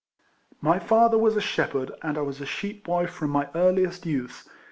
My father was a shepherd, and I was a sheep boy from my earliest youth.